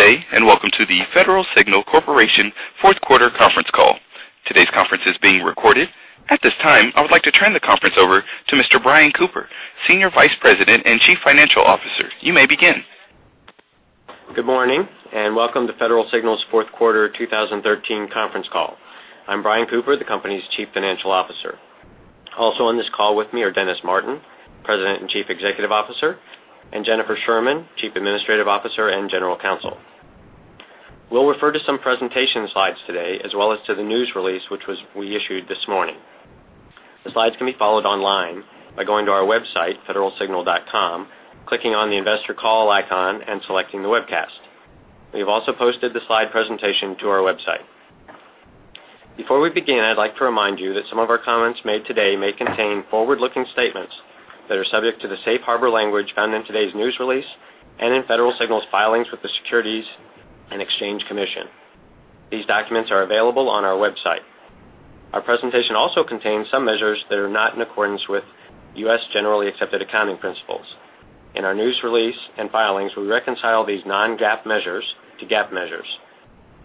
Good day, welcome to the Federal Signal Corporation fourth quarter conference call. Today's conference is being recorded. At this time, I would like to turn the conference over to Mr. Brian Cooper, Senior Vice President and Chief Financial Officer. You may begin. Good morning, welcome to Federal Signal's fourth quarter 2013 conference call. I'm Brian Cooper, the company's Chief Financial Officer. Also on this call with me are Dennis Martin, President and Chief Executive Officer, Jennifer Sherman, Chief Administrative Officer and General Counsel. We'll refer to some presentation slides today, as well as to the news release, which we issued this morning. The slides can be followed online by going to our website, federalsignal.com, clicking on the investor call icon, and selecting the webcast. We have also posted the slide presentation to our website. Before we begin, I'd like to remind you that some of our comments made today may contain forward-looking statements that are subject to the safe harbor language found in today's news release and in Federal Signal's filings with the Securities and Exchange Commission. These documents are available on our website. Our presentation also contains some measures that are not in accordance with U.S. Generally Accepted Accounting Principles. In our news release and filings, we reconcile these non-GAAP measures to GAAP measures.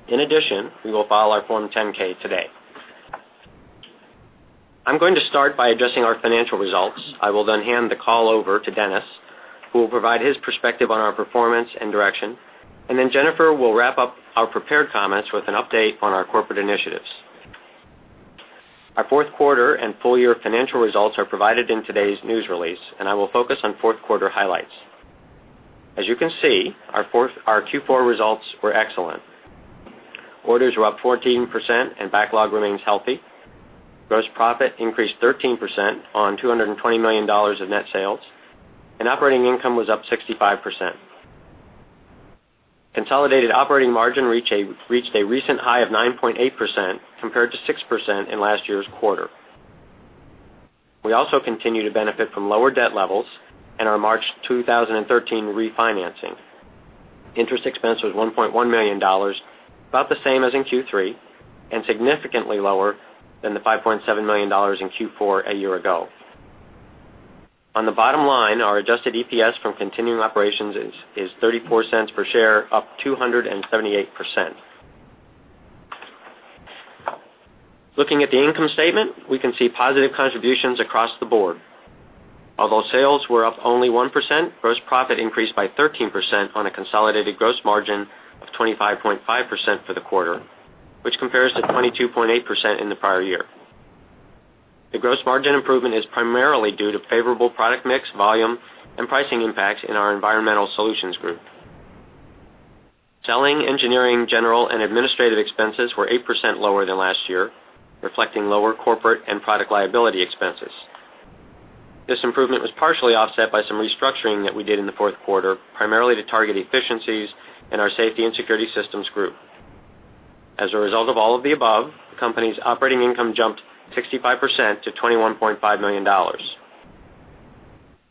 In addition, we will file our Form 10-K today. I'm going to start by addressing our financial results. I will then hand the call over to Dennis, who will provide his perspective on our performance and direction. Jennifer will wrap up our prepared comments with an update on our corporate initiatives. Our fourth quarter and full year financial results are provided in today's news release, I will focus on fourth quarter highlights. As you can see, our Q4 results were excellent. Orders were up 14% backlog remains healthy. Gross profit increased 13% on $220 million of net sales, operating income was up 65%. Consolidated operating margin reached a recent high of 9.8%, compared to 6% in last year's quarter. We also continue to benefit from lower debt levels and our March 2013 refinancing. Interest expense was $1.1 million, about the same as in Q3, significantly lower than the $5.7 million in Q4 a year ago. On the bottom line, our adjusted EPS from continuing operations is $0.34 per share, up 278%. Looking at the income statement, we can see positive contributions across the board. Although sales were up only 1%, gross profit increased by 13% on a consolidated gross margin of 25.5% for the quarter, which compares to 22.8% in the prior year. The gross margin improvement is primarily due to favorable product mix, volume, and pricing impacts in our Environmental Solutions Group. Selling, engineering, general, and administrative expenses were 8% lower than last year, reflecting lower corporate and product liability expenses. This improvement was partially offset by some restructuring that we did in the fourth quarter, primarily to target efficiencies in our Safety and Security Systems Group. As a result of all of the above, the company's operating income jumped 65% to $21.5 million.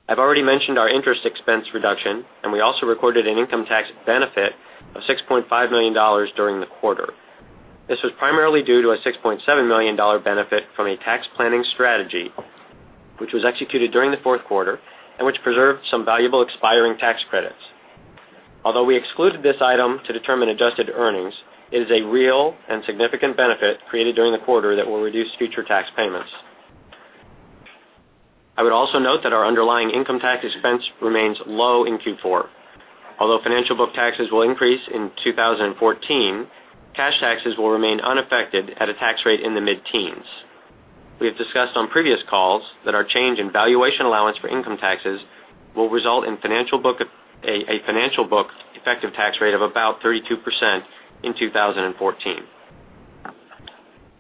I've already mentioned our interest expense reduction, and we also recorded an income tax benefit of $6.5 million during the quarter. This was primarily due to a $6.7 million benefit from a tax planning strategy, which was executed during the fourth quarter and which preserved some valuable expiring tax credits. Although we excluded this item to determine adjusted earnings, it is a real and significant benefit created during the quarter that will reduce future tax payments. I would also note that our underlying income tax expense remains low in Q4. Although financial book taxes will increase in 2014, cash taxes will remain unaffected at a tax rate in the mid-teens. We have discussed on previous calls that our change in valuation allowance for income taxes will result in a financial book effective tax rate of about 32% in 2014.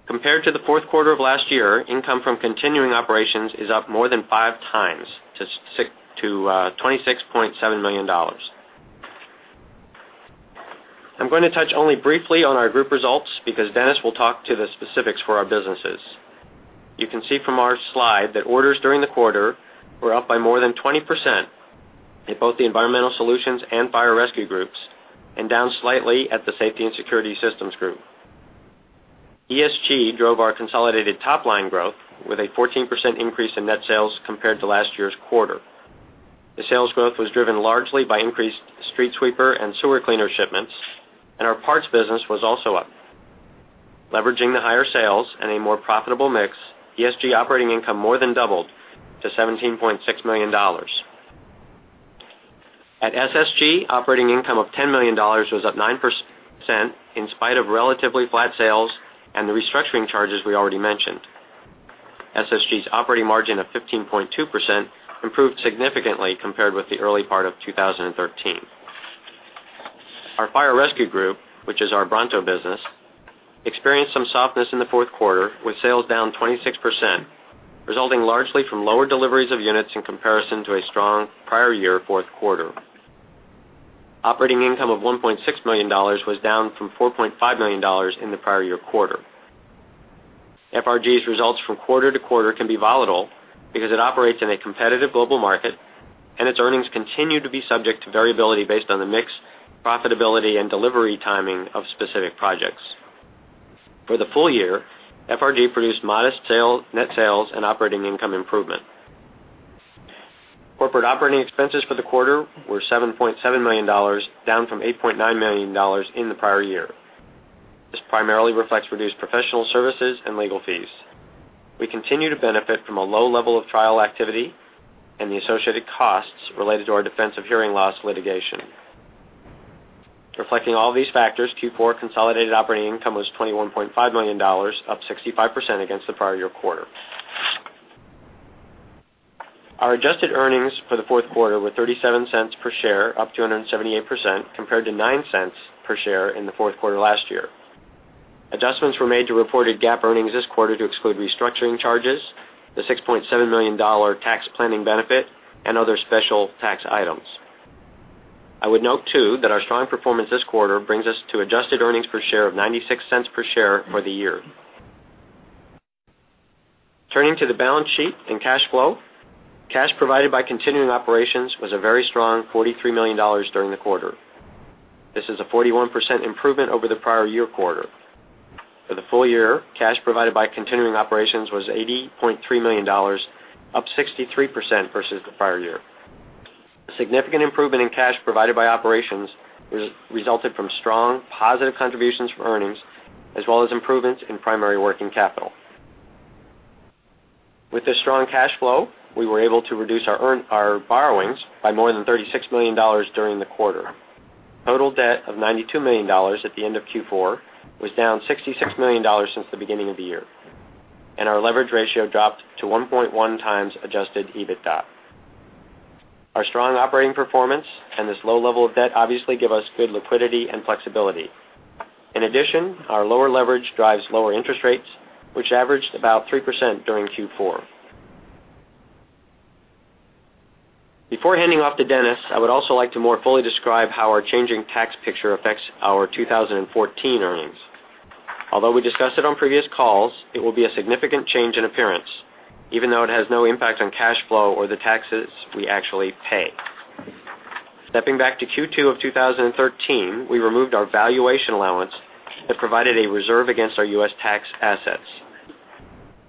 Compared to the fourth quarter of last year, income from continuing operations is up more than five times to $26.7 million. I'm going to touch only briefly on our group results because Dennis will talk to the specifics for our businesses. You can see from our slide that orders during the quarter were up by more than 20% in both the Environmental Solutions and Fire Rescue Group, and down slightly at the Safety and Security Systems Group. ESG drove our consolidated top-line growth with a 14% increase in net sales compared to last year's quarter. The sales growth was driven largely by increased street sweeper and sewer cleaner shipments, and our parts business was also up. Leveraging the higher sales and a more profitable mix, ESG operating income more than doubled to $17.6 million. At SSG, operating income of $10 million was up 9% in spite of relatively flat sales and the restructuring charges we already mentioned. SSG's operating margin of 15.2% improved significantly compared with the early part of 2013. Our Fire Rescue Group, which is our Bronto business, experienced some softness in the fourth quarter, with sales down 26%, resulting largely from lower deliveries of units in comparison to a strong prior year fourth quarter. Operating income of $1.6 million was down from $4.5 million in the prior year quarter. FRG's results from quarter to quarter can be volatile because it operates in a competitive global market, and its earnings continue to be subject to variability based on the mix, profitability, and delivery timing of specific projects. Modest net sales and operating income improvement. Corporate operating expenses for the quarter were $7.7 million, down from $8.9 million in the prior year. This primarily reflects reduced professional services and legal fees. We continue to benefit from a low level of trial activity and the associated costs related to our defensive hearing loss litigation. Reflecting all these factors, Q4 consolidated operating income was $21.5 million, up 65% against the prior year quarter. Our adjusted earnings for the fourth quarter were $0.37 per share, up 278%, compared to $0.09 per share in the fourth quarter last year. Adjustments were made to reported GAAP earnings this quarter to exclude restructuring charges, the $6.7 million tax planning benefit, and other special tax items. I would note too that our strong performance this quarter brings us to adjusted EPS of $0.96 per share for the year. Turning to the balance sheet and cash flow, cash provided by continuing operations was a very strong $43 million during the quarter. This is a 41% improvement over the prior year quarter. For the full year, cash provided by continuing operations was $80.3 million, up 63% versus the prior year. Significant improvement in cash provided by operations resulted from strong positive contributions from earnings, as well as improvements in primary working capital. With this strong cash flow, we were able to reduce our borrowings by more than $36 million during the quarter. Total debt of $92 million at the end of Q4 was down $66 million since the beginning of the year, and our leverage ratio dropped to 1.1x adjusted EBITDA. Our strong operating performance and this low level of debt obviously give us good liquidity and flexibility. In addition, our lower leverage drives lower interest rates, which averaged about 3% during Q4. Before handing off to Dennis, I would also like to more fully describe how our changing tax picture affects our 2014 earnings. Although we discussed it on previous calls, it will be a significant change in appearance, even though it has no impact on cash flow or the taxes we actually pay. Stepping back to Q2 of 2013, we removed our valuation allowance that provided a reserve against our U.S. tax assets.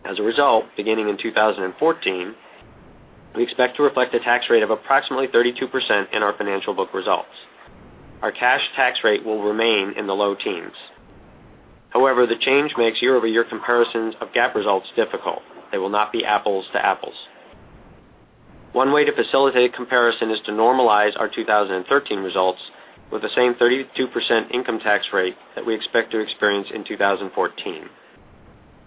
As a result, beginning in 2014, we expect to reflect a tax rate of approximately 32% in our financial book results. Our cash tax rate will remain in the low teens. However, the change makes year-over-year comparisons of GAAP results difficult. They will not be apples to apples. One way to facilitate comparison is to normalize our 2013 results with the same 32% income tax rate that we expect to experience in 2014.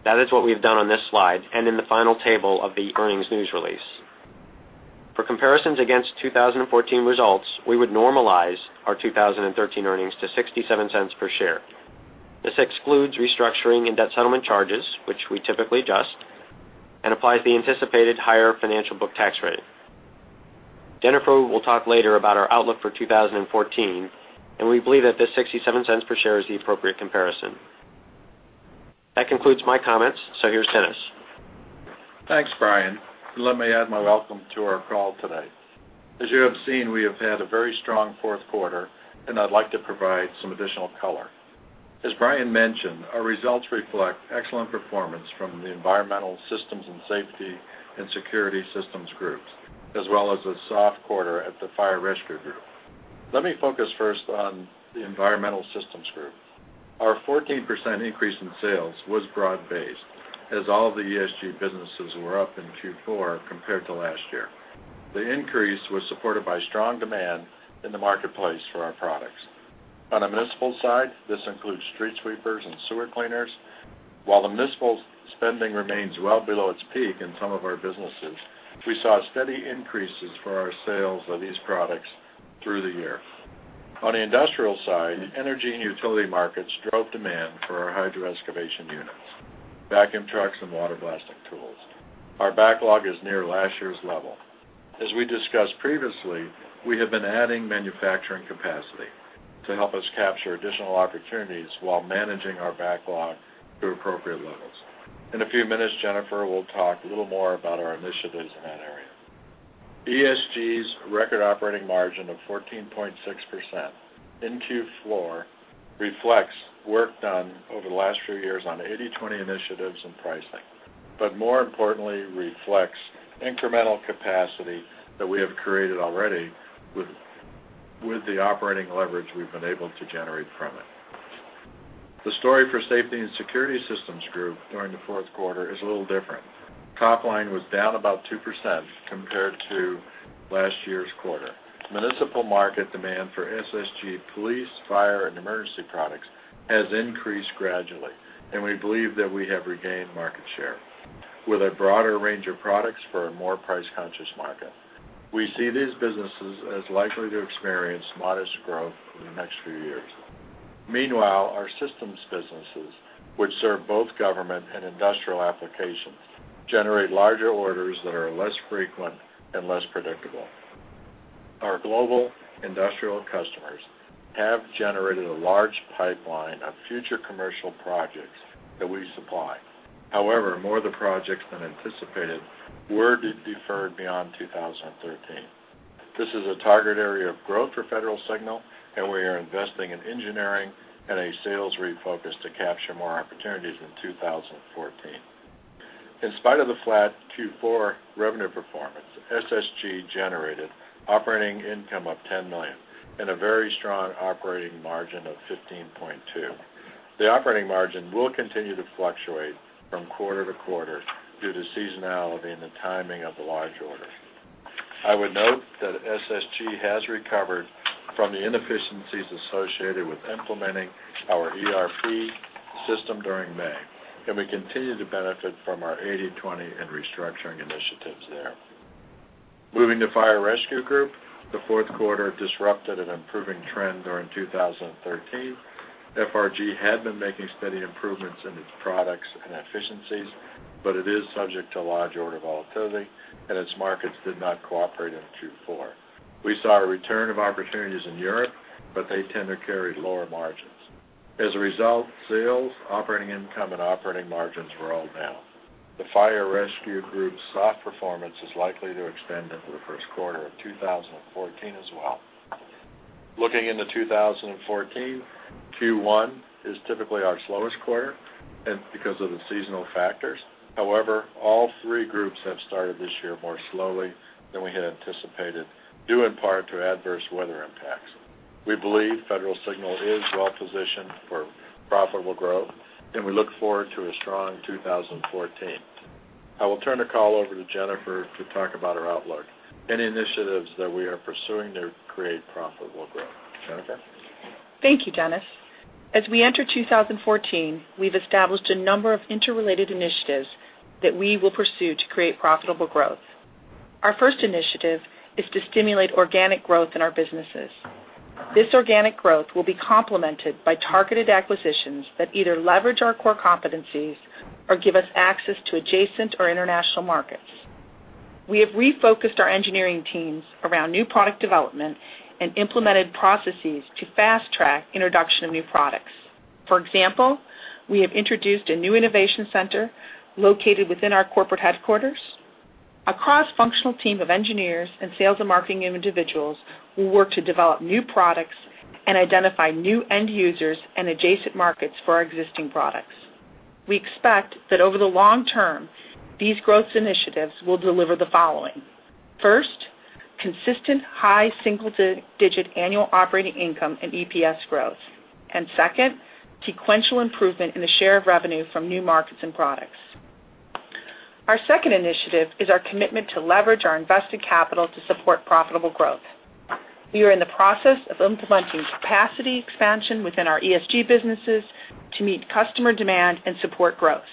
That is what we've done on this slide and in the final table of the earnings news release. For comparisons against 2014 results, we would normalize our 2013 earnings to $0.67 per share. This excludes restructuring and debt settlement charges, which we typically adjust, and applies the anticipated higher financial book tax rate. Jennifer will talk later about our outlook for 2014, and we believe that the $0.67 per share is the appropriate comparison. That concludes my comments, here's Dennis. Thanks, Brian. Let me add my welcome to our call today. As you have seen, we have had a very strong fourth quarter, and I'd like to provide some additional color. As Brian mentioned, our results reflect excellent performance from the Environmental Solutions Group and Safety and Security Systems Group, as well as a soft quarter at the Fire Rescue Group. Let me focus first on the Environmental Solutions Group. Our 14% increase in sales was broad-based, as all the ESG businesses were up in Q4 compared to last year. The increase was supported by strong demand in the marketplace for our products. On the municipal side, this includes street sweepers and sewer cleaners. While the municipal spending remains well below its peak in some of our businesses, we saw steady increases for our sales of these products through the year. On the industrial side, energy and utility markets drove demand for our hydro excavation units, vacuum trucks, and water blasting tools. Our backlog is near last year's level. As we discussed previously, we have been adding manufacturing capacity to help us capture additional opportunities while managing our backlog to appropriate levels. In a few minutes, Jennifer will talk a little more about our initiatives in that area. ESG's record operating margin of 14.6% in Q4 reflects work done over the last few years on 80/20 initiatives and pricing, but more importantly, reflects incremental capacity that we have created already with the operating leverage we've been able to generate from it. The story for Safety and Security Systems Group during the fourth quarter is a little different. Top line was down about 2% compared to last year's quarter. Municipal market demand for SSG police, fire, and emergency products has increased gradually, and we believe that we have regained market share with a broader range of products for a more price-conscious market. We see these businesses as likely to experience modest growth in the next few years. Meanwhile, our systems businesses, which serve both government and industrial applications, generate larger orders that are less frequent and less predictable. Our global industrial customers have generated a large pipeline of future commercial projects that we supply. However, more than anticipated were deferred beyond 2013. This is a target area of growth for Federal Signal, and we are investing in engineering and a sales refocus to capture more opportunities in 2014. In spite of the flat Q4 revenue performance, SSG generated operating income of $10 million and a very strong operating margin of 15.2%. The operating margin will continue to fluctuate from quarter to quarter due to seasonality and the timing of the large orders. I would note that SSG has recovered from the inefficiencies associated with implementing our ERP system during May, and we continue to benefit from our 80/20 and restructuring initiatives there. Moving to Fire Rescue Group, the fourth quarter disrupted an improving trend during 2013. FRG had been making steady improvements in its products and efficiencies, but it is subject to large order volatility, and its markets did not cooperate in Q4. We saw a return of opportunities in Europe, but they tend to carry lower margins. As a result, sales, operating income, and operating margins were all down. The Fire Rescue Group's soft performance is likely to extend into the first quarter of 2014 as well. Looking into 2014, Q1 is typically our slowest quarter and because of the seasonal factors. However, all three groups have started this year more slowly than we had anticipated, due in part to adverse weather impacts. We believe Federal Signal is well-positioned for profitable growth, and we look forward to a strong 2014. I will turn the call over to Jennifer to talk about our outlook and initiatives that we are pursuing to create profitable growth. Jennifer? Thank you, Dennis. As we enter 2014, we've established a number of interrelated initiatives that we will pursue to create profitable growth. Our first initiative is to stimulate organic growth in our businesses. This organic growth will be complemented by targeted acquisitions that either leverage our core competencies or give us access to adjacent or international markets. We have refocused our engineering teams around new product development and implemented processes to fast-track introduction of new products. For example, we have introduced a new innovation center located within our corporate headquarters. A cross-functional team of engineers and sales and marketing individuals will work to develop new products and identify new end users and adjacent markets for our existing products. We expect that over the long term, these growth initiatives will deliver the following. First, consistent high single-digit annual operating income and EPS growth. Second, sequential improvement in the share of revenue from new markets and products. Our second initiative is our commitment to leverage our invested capital to support profitable growth. We are in the process of implementing capacity expansion within our ESG businesses to meet customer demand and support growth.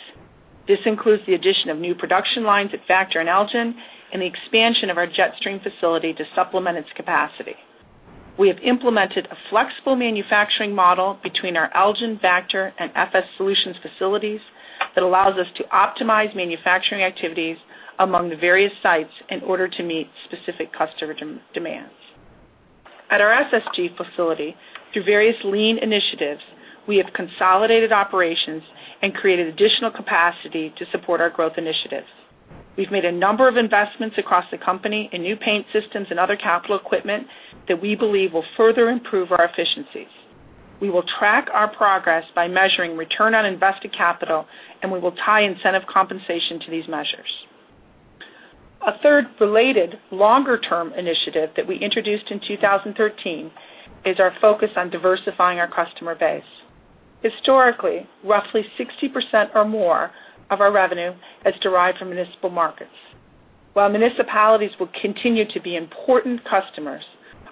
This includes the addition of new production lines at Vactor and Elgin and the expansion of our Jetstream facility to supplement its capacity. We have implemented a flexible manufacturing model between our Elgin, Vactor, and FS Solutions facilities that allows us to optimize manufacturing activities among the various sites in order to meet specific customer demands. At our SSG facility, through various lean initiatives, we have consolidated operations and created additional capacity to support our growth initiatives. We've made a number of investments across the company in new paint systems and other capital equipment that we believe will further improve our efficiencies. We will track our progress by measuring return on invested capital, and we will tie incentive compensation to these measures. A third related longer-term initiative that we introduced in 2013 is our focus on diversifying our customer base. Historically, roughly 60% or more of our revenue has derived from municipal markets. While municipalities will continue to be important customers,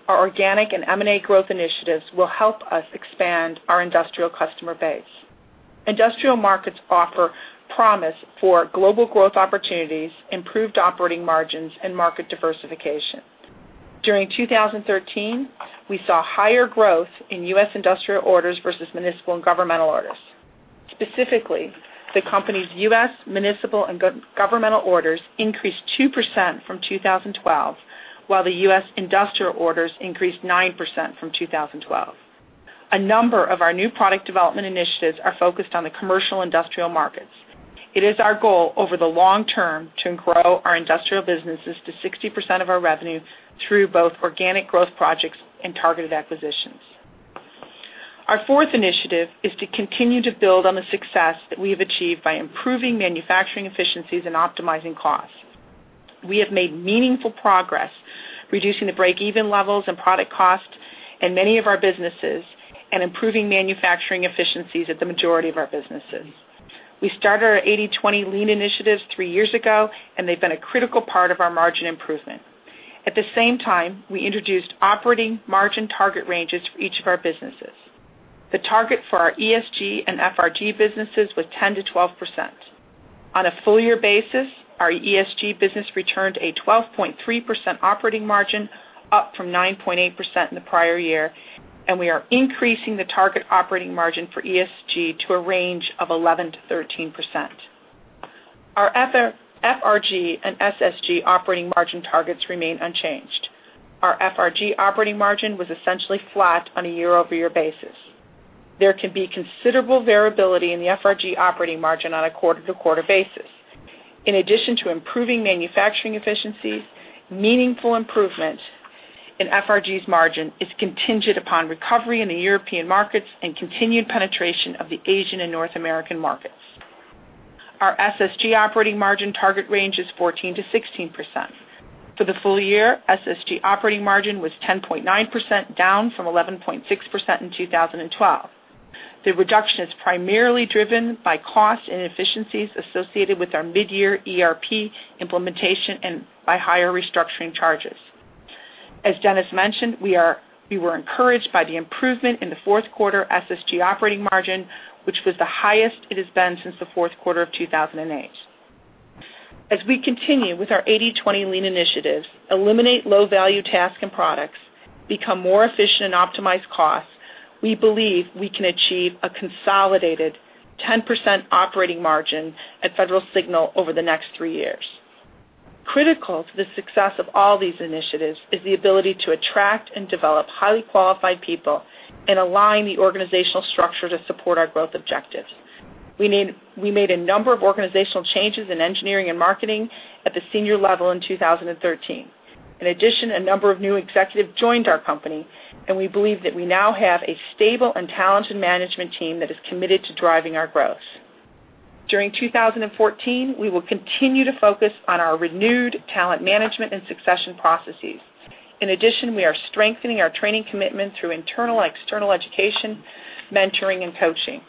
our organic and M&A growth initiatives will help us expand our industrial customer base. Industrial markets offer promise for global growth opportunities, improved operating margins, and market diversification. During 2013, we saw higher growth in U.S. industrial orders versus municipal and governmental orders. Specifically, the company's U.S. municipal and governmental orders increased 2% from 2012, while the U.S. industrial orders increased 9% from 2012. A number of our new product development initiatives are focused on the commercial industrial markets. It is our goal over the long term to grow our industrial businesses to 60% of our revenue through both organic growth projects and targeted acquisitions. Our fourth initiative is to continue to build on the success that we have achieved by improving manufacturing efficiencies and optimizing costs. We have made meaningful progress reducing the break-even levels and product cost in many of our businesses and improving manufacturing efficiencies at the majority of our businesses. We started our 80/20 lean initiatives three years ago, and they've been a critical part of our margin improvement. At the same time, we introduced operating margin target ranges for each of our businesses. The target for our ESG and FRG businesses was 10%-12%. On a full year basis, our ESG business returned a 12.3% operating margin, up from 9.8% in the prior year, and we are increasing the target operating margin for ESG to a range of 11%-13%. Our FRG and SSG operating margin targets remain unchanged. Our FRG operating margin was essentially flat on a year-over-year basis. There can be considerable variability in the FRG operating margin on a quarter-to-quarter basis. In addition to improving manufacturing efficiencies, meaningful improvement in FRG's margin is contingent upon recovery in the European markets and continued penetration of the Asian and North American markets. Our SSG operating margin target range is 14%-16%. For the full year, SSG operating margin was 10.9%, down from 11.6% in 2012. The reduction is primarily driven by cost and efficiencies associated with our mid-year ERP implementation and by higher restructuring charges. As Dennis mentioned, we were encouraged by the improvement in the fourth quarter SSG operating margin, which was the highest it has been since the fourth quarter of 2008. As we continue with our 80/20 lean initiatives, eliminate low-value tasks and products, become more efficient, and optimize costs, we believe we can achieve a consolidated 10% operating margin at Federal Signal over the next three years. Critical to the success of all these initiatives is the ability to attract and develop highly qualified people and align the organizational structure to support our growth objectives. We made a number of organizational changes in engineering and marketing at the senior level in 2013. In addition, a number of new executives joined our company, and we believe that we now have a stable and talented management team that is committed to driving our growth. During 2014, we will continue to focus on our renewed talent management and succession processes. In addition, we are strengthening our training commitment through internal and external education, mentoring, and coaching.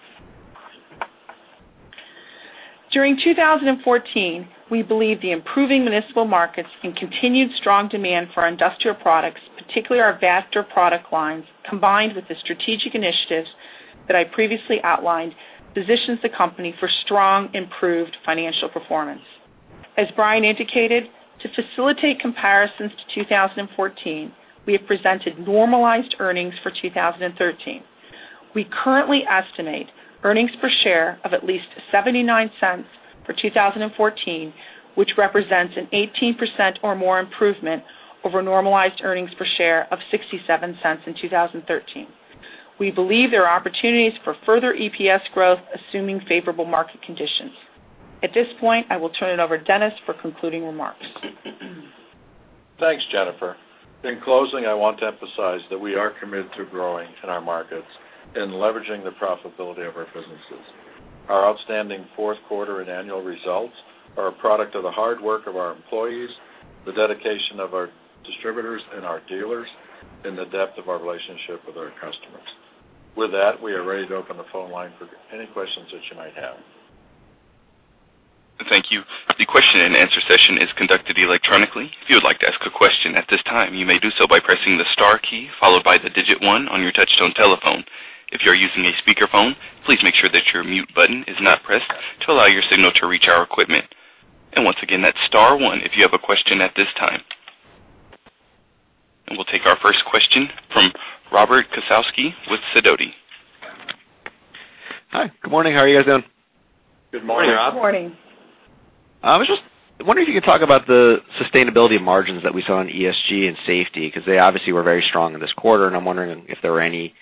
During 2014, we believe the improving municipal markets and continued strong demand for our industrial products, particularly our Vactor product lines, combined with the strategic initiatives that I previously outlined, positions the company for strong improved financial performance. As Brian indicated, to facilitate comparisons to 2014, we have presented normalized earnings for 2013. We currently estimate earnings per share of at least $0.79 for 2014, which represents an 18% or more improvement over normalized earnings per share of $0.67 in 2013. We believe there are opportunities for further EPS growth, assuming favorable market conditions. At this point, I will turn it over to Dennis for concluding remarks. Thanks, Jennifer. In closing, I want to emphasize that we are committed to growing in our markets and leveraging the profitability of our businesses. Our outstanding fourth quarter and annual results are a product of the hard work of our employees, the dedication of our distributors and our dealers, and the depth of our relationship with our customers. With that, we are ready to open the phone line for any questions that you might have. Thank you. The question and answer session is conducted electronically. If you would like to ask a question at this time, you may do so by pressing the star key followed by the digit one on your touchtone telephone. If you're using a speakerphone, please make sure that your mute button is not pressed to allow your signal to reach our equipment. Once again, that's star one if you have a question at this time. We'll take our first question from Robert Kosowsky with Sidoti. Hi. Good morning. How are you guys doing? Good morning, Rob. Good morning. I was just wondering if you could talk about the sustainability of margins that we saw in ESG and safety, because they obviously were very strong in this quarter, and I'm wondering if there were any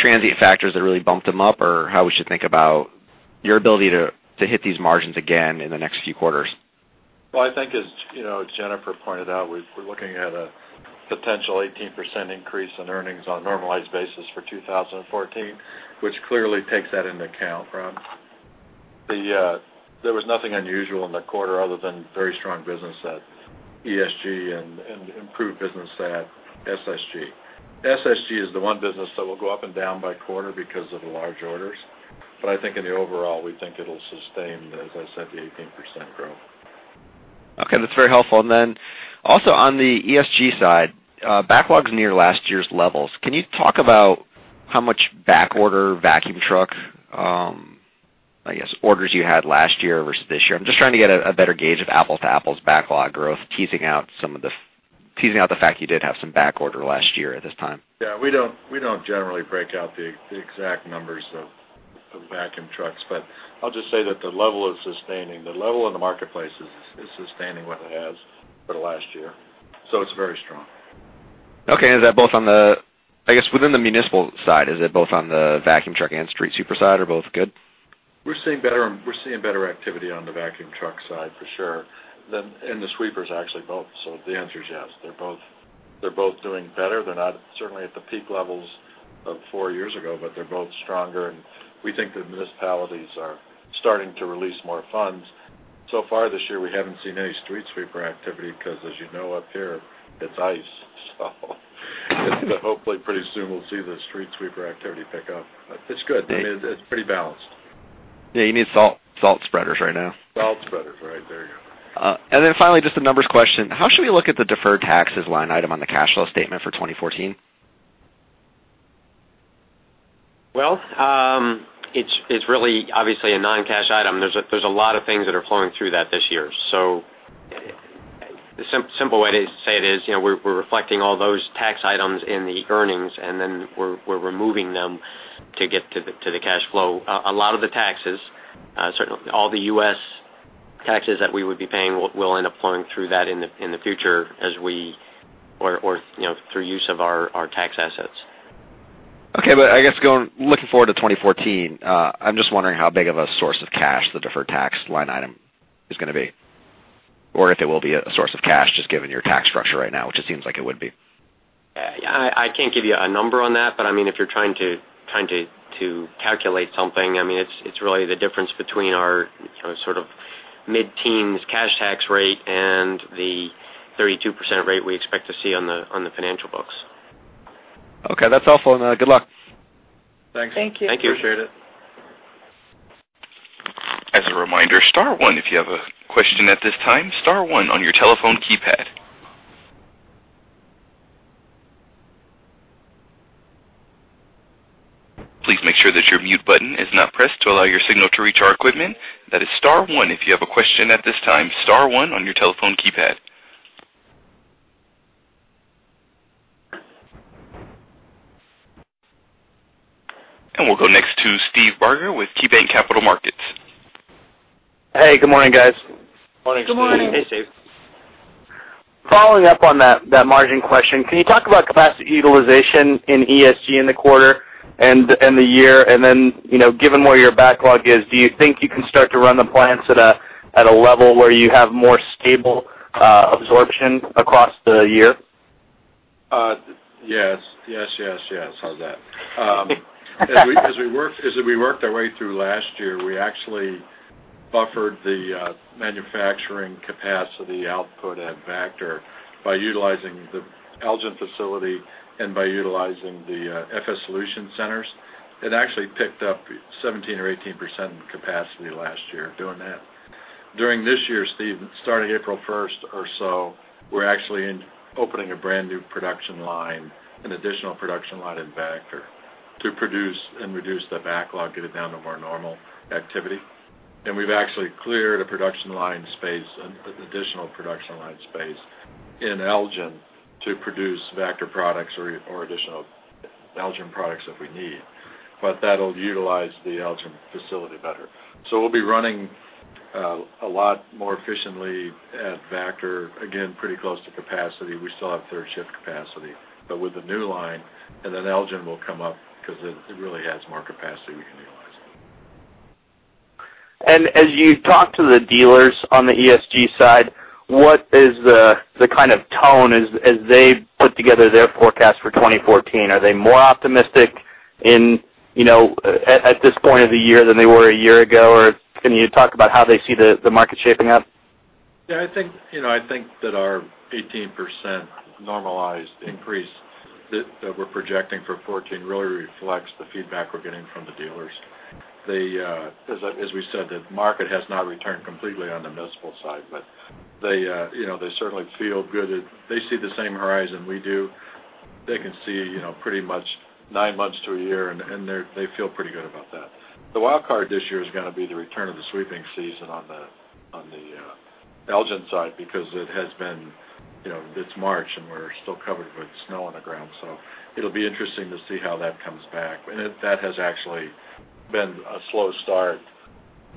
transient factors that really bumped them up or how we should think about your ability to hit these margins again in the next few quarters. I think as Jennifer pointed out, we're looking at a potential 18% increase in earnings on a normalized basis for 2014, which clearly takes that into account, Rob. There was nothing unusual in the quarter other than very strong business at ESG and improved business at SSG. SSG is the one business that will go up and down by quarter because of the large orders. I think in the overall, we think it'll sustain, as I said, the 18% growth. Okay. That's very helpful. Then also on the ESG side, backlogs near last year's levels. Can you talk about how much back order vacuum truck, I guess, orders you had last year versus this year? I'm just trying to get a better gauge of apples-to-apples backlog growth, teasing out the fact you did have some back order last year at this time. Yeah, we don't generally break out the exact numbers of vacuum trucks, but I'll just say that the level is sustaining. The level in the marketplace is sustaining what it has for the last year. It's very strong. Okay. Is that both on the I guess within the municipal side, is it both on the vacuum truck and street sweeper side are both good? We're seeing better activity on the vacuum truck side for sure. The sweepers, actually, both. The answer is yes. They're both doing better. They're not certainly at the peak levels of 4 years ago, but they're both stronger, and we think the municipalities are starting to release more funds. Far this year, we haven't seen any street sweeper activity because, as you know, up here, it's ice. Hopefully pretty soon we'll see the street sweeper activity pick up. It's good. I mean, it's pretty balanced. Yeah, you need salt spreaders right now. Salt spreaders. Right. There you go. Finally, just a numbers question. How should we look at the deferred taxes line item on the cash flow statement for 2014? It's really obviously a non-cash item. There's a lot of things that are flowing through that this year. The simple way to say it is we're reflecting all those tax items in the earnings, and then we're removing them to get to the cash flow. A lot of the taxes, certainly all the U.S. taxes that we would be paying will end up flowing through that in the future or through use of our tax assets. Okay. I guess looking forward to 2014, I'm just wondering how big of a source of cash the deferred tax line item is going to be, or if it will be a source of cash, just given your tax structure right now, which it seems like it would be. I can't give you a number on that, but if you're trying to calculate something, it's really the difference between our sort of mid-teens cash tax rate and the 32% rate we expect to see on the financial books. Okay. That's all for now. Good luck. Thanks. Thank you. Thank you. Appreciate it. As a reminder, star one if you have a question at this time, star one on your telephone keypad. Please make sure that your mute button is not pressed to allow your signal to reach our equipment. That is star one, if you have a question at this time, star one on your telephone keypad. We'll go next to Steve Barger with KeyBanc Capital Markets. Hey, good morning, guys. Morning, Steve. Good morning. Hey, Steve. Following up on that margin question, can you talk about capacity utilization in ESG in the quarter and the year? Given where your backlog is, do you think you can start to run the plants at a level where you have more stable absorption across the year? Yes. How's that? As we worked our way through last year, we actually buffered the manufacturing capacity output at Vactor by utilizing the Elgin facility and by utilizing the FS Solutions centers. It actually picked up 17% or 18% in capacity last year doing that. During this year, Steve, starting April 1st or so, we're actually opening a brand new production line, an additional production line in Vactor to produce and reduce the backlog, get it down to more normal activity. We've actually cleared an additional production line space in Elgin to produce Vactor products or additional Elgin products if we need. That'll utilize the Elgin facility better. We'll be running a lot more efficiently at Vactor, again, pretty close to capacity. We still have third shift capacity. With the new line, and then Elgin will come up because it really has more capacity we can utilize. As you talk to the dealers on the ESG side, what is the kind of tone as they put together their forecast for 2014? Are they more optimistic at this point of the year than they were a year ago? Or can you talk about how they see the market shaping up? I think that our 18% normalized increase that we're projecting for 2014 really reflects the feedback we're getting from the dealers. As we said, the market has not returned completely on the municipal side, but they certainly feel good. They see the same horizon we do. They can see pretty much nine months to a year, and they feel pretty good about that. The wild card this year is going to be the return of the sweeping season on the Elgin side, because it's March and we're still covered with snow on the ground. It'll be interesting to see how that comes back. That has actually been a slow start.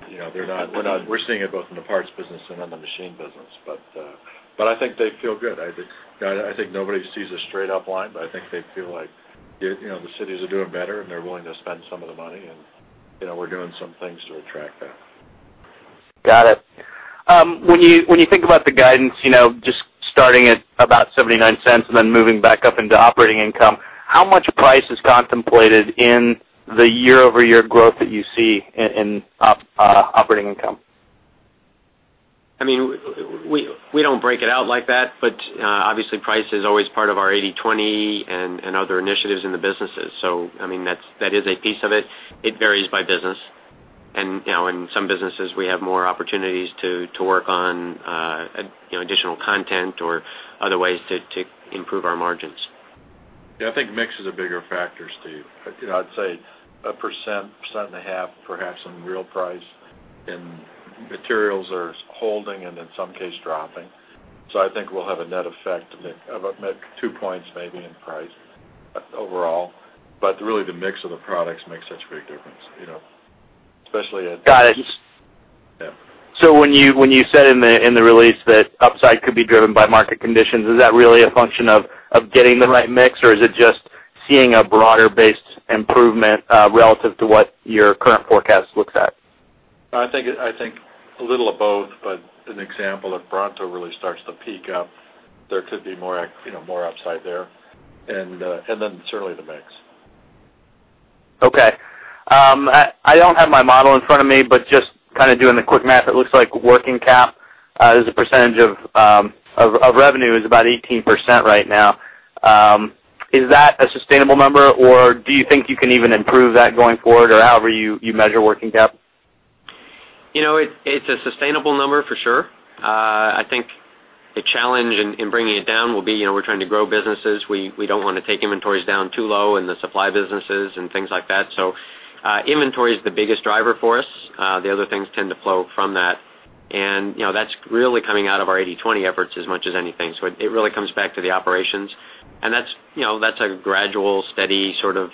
We're seeing it both in the parts business and in the machine business. I think they feel good. I think nobody sees a straight up line, but I think they feel like the cities are doing better, and they're willing to spend some of the money, and we're doing some things to attract that. Got it. When you think about the guidance, just starting at about $0.79 and then moving back up into operating income, how much price is contemplated in the year-over-year growth that you see in operating income? We don't break it out like that, obviously price is always part of our 80/20 and other initiatives in the businesses. That is a piece of it. It varies by business. In some businesses, we have more opportunities to work on additional content or other ways to improve our margins. Yeah, I think mix is a bigger factor, Steve. I'd say a %, 1.5%, perhaps, on real price in materials are holding and in some case dropping. I think we'll have a net effect of two points maybe in price overall. Really the mix of the products makes such a big difference. Got it. Yeah. When you said in the release that upside could be driven by market conditions, is that really a function of getting the right mix, or is it just seeing a broader base improvement relative to what your current forecast looks at? I think a little of both, an example, if Bronto really starts to peak up, there could be more upside there. Certainly the mix. Okay. I don't have my model in front of me, but just kind of doing the quick math, it looks like working cap as a percentage of revenue is about 18% right now. Is that a sustainable number, or do you think you can even improve that going forward or however you measure working cap? It's a sustainable number for sure. I think the challenge in bringing it down will be we're trying to grow businesses. We don't want to take inventories down too low in the supply businesses and things like that. Inventory is the biggest driver for us. The other things tend to flow from that. That's really coming out of our 80/20 efforts as much as anything. It really comes back to the operations, and that's a gradual, steady sort of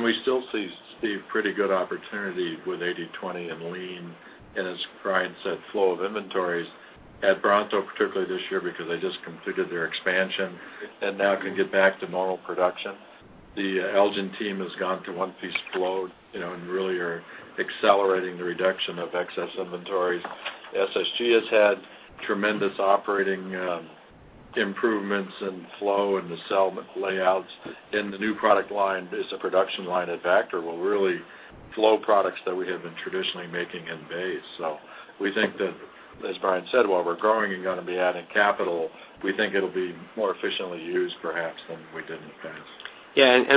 We still see, Steve, pretty good opportunity with 80/20 and lean, as Brian said, flow of inventories at Bronto, particularly this year, because they just completed their expansion and now can get back to normal production. The Elgin team has gone to one-piece flow and really are accelerating the reduction of excess inventories. SSG has had tremendous operating improvements in flow and the cell layouts. The new product line is a production line at Vactor. We'll really flow products that we have been traditionally making in base. We think that, as Brian said, while we're growing and going to be adding capital, we think it'll be more efficiently used, perhaps, than we did in the past.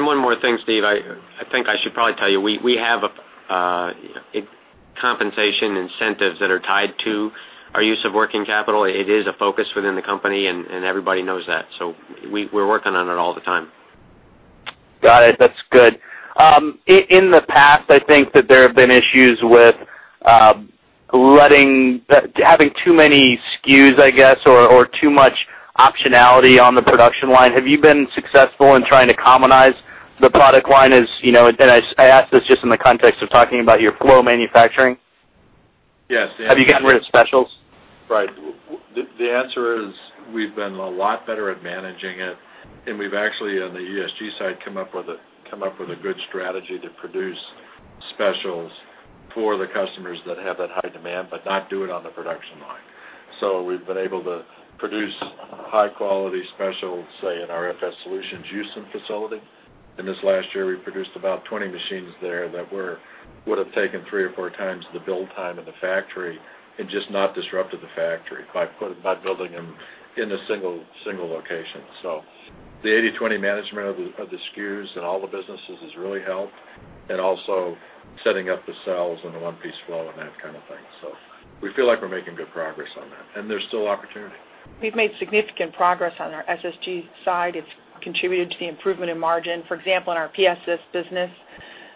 One more thing, Steve, I think I should probably tell you, we have compensation incentives that are tied to our use of working capital. It is a focus within the company, and everybody knows that. We're working on it all the time. Got it. That's good. In the past, I think that there have been issues with having too many SKUs, I guess, or too much optionality on the production line. Have you been successful in trying to commonize the product line? I ask this just in the context of talking about your flow manufacturing. Yes. Have you gotten rid of specials? Right. The answer is, we've been a lot better at managing it, and we've actually, on the ESG side, come up with a good strategy to produce specials for the customers that have that high demand, but not do it on the production line. We've been able to produce high-quality specials, say, in our FS Solutions Houston facility. This last year, we produced about 20 machines there that would've taken three or four times the build time in the factory, and just not disrupted the factory by building them in a single location. The 80/20 management of the SKUs in all the businesses has really helped, and also setting up the cells and the one-piece flow and that kind of thing. We feel like we're making good progress on that, and there's still opportunity. We've made significant progress on our SSG side. It's contributed to the improvement in margin. For example, in our PSIS business,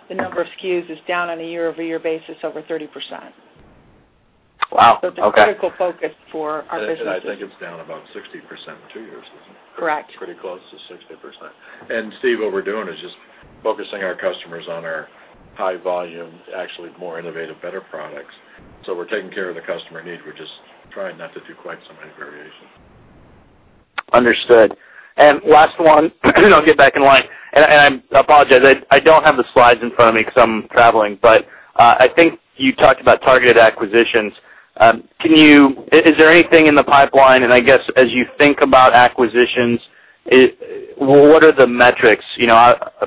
the number of SKUs is down on a year-over-year basis over 30%. Wow, okay. It's a critical focus for our businesses. I think it's down about 60% in two years, isn't it? Correct. Pretty close to 60%. Steve, what we're doing is just focusing our customers on our high volume, actually more innovative, better products. We're taking care of the customer needs. We're just trying not to do quite so many variations. Understood. Last one, I'll get back in line. I apologize, I don't have the slides in front of me because I'm traveling, but I think you talked about targeted acquisitions. Is there anything in the pipeline? I guess, as you think about acquisitions, what are the metrics?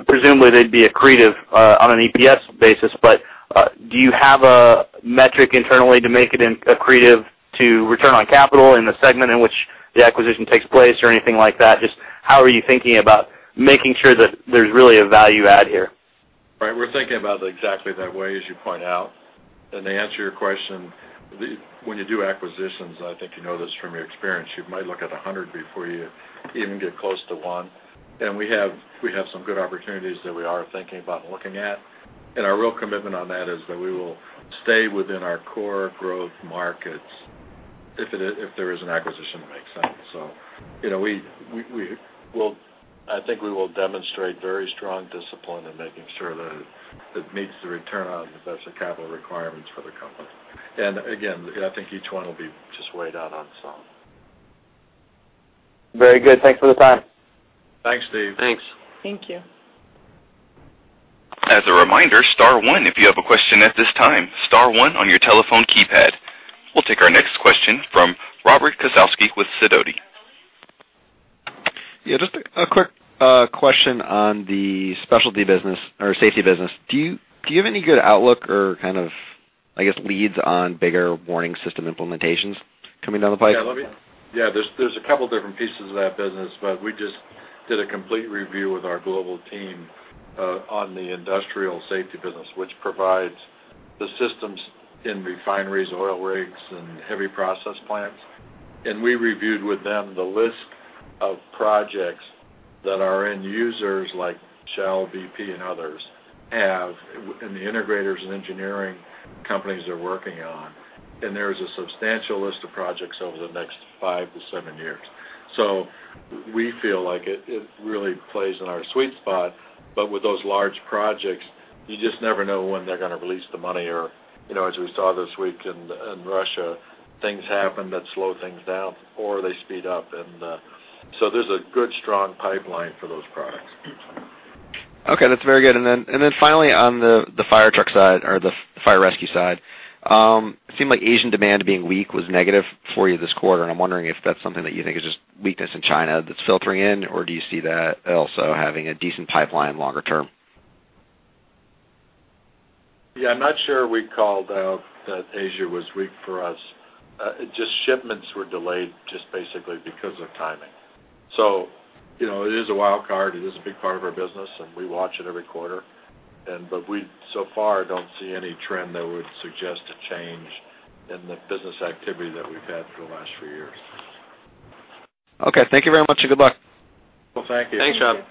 Presumably, they'd be accretive on an EPS basis, but do you have a metric internally to make it accretive to return on capital in the segment in which the acquisition takes place or anything like that? Just how are you thinking about making sure that there's really a value add here? Right. We're thinking about it exactly that way, as you point out. To answer your question, when you do acquisitions, I think you know this from your experience, you might look at 100 before you even get close to one. We have some good opportunities that we are thinking about looking at. Our real commitment on that is that we will stay within our core growth markets if there is an acquisition that makes sense. I think we will demonstrate very strong discipline in making sure that it meets the return on invested capital requirements for the company. Again, I think each one will be just weighed out on its own. Very good. Thanks for the time. Thanks, Steve. Thanks. Thank you. As a reminder, star one if you have a question at this time, star one on your telephone keypad. We'll take our next question from Robert Kosowsky with Sidoti. Yeah, just a quick question on the specialty business or safety business. Do you have any good outlook or kind of, I guess, leads on bigger warning system implementations coming down the pipe? Yeah. There's a couple different pieces of that business, we just did a complete review with our global team on the industrial safety business, which provides the systems in refineries, oil rigs, and heavy process plants. We reviewed with them the list of projects that our end users, like Shell, BP, and others have, and the integrators and engineering companies they're working on. There is a substantial list of projects over the next five to seven years. We feel like it really plays in our sweet spot, with those large projects, you just never know when they're going to release the money, or as we saw this week in Russia, things happen that slow things down or they speed up. There's a good, strong pipeline for those products. Okay, that's very good. Finally, on the fire truck side, or the fire rescue side, it seemed like Asian demand being weak was negative for you this quarter, and I'm wondering if that's something that you think is just weakness in China that's filtering in, or do you see that also having a decent pipeline longer term? Yeah, I'm not sure we called out that Asia was weak for us. Just shipments were delayed just basically because of timing. It is a wild card. It is a big part of our business, and we watch it every quarter. We, so far, don't see any trend that would suggest a change in the business activity that we've had for the last few years. Okay. Thank you very much, and good luck. Well, thank you. Thanks, Rob. Thank you.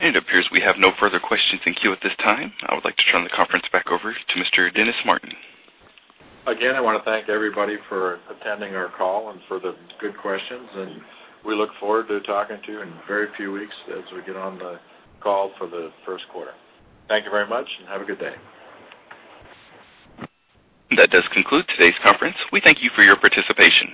It appears we have no further questions in queue at this time. I would like to turn the conference back over to Mr. Dennis Martin. Again, I want to thank everybody for attending our call and for the good questions, and we look forward to talking to you in very few weeks as we get on the call for the first quarter. Thank you very much, and have a good day. That does conclude today's conference. We thank you for your participation.